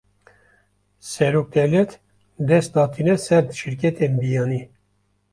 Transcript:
Serokdewlet, dest datîne ser şîrketên biyanî